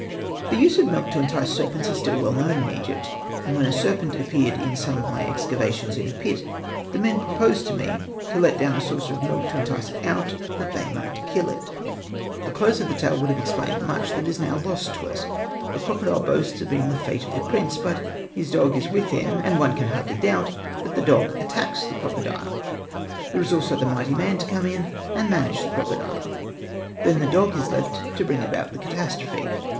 The use of milk to entice serpents is still well known in Egypt ; and when a serpent appeared in some of my excavations in a pit, the men proposed to me to let down a saucer of milk to entice it out, that they might kill it. Hosted by Google REMARKS 35 The close of the tale would have explained much that is now lost to us. The crocodile boasts of being the fate of the prince ; but his dog is with him, and one can hardly doubt that the dog attacks the crocodile. There is also the mighty n;ian to come in and manage the crocodile.* Then the dog is left to bring about the catastrophe.